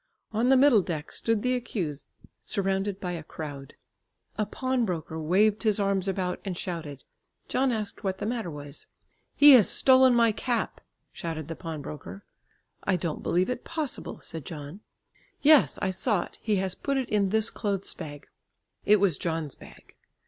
On the middle deck stood the accused surrounded by a crowd. A pawnbroker waved his arms about and shouted. John asked what the matter was. "He has stolen my cap," shouted the pawnbroker. "I don't believe it possible," said John. "Yes, I saw it; he has put it in this clothes bag." It was John's bag.